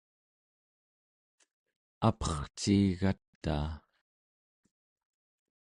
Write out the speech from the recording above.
aperciigataa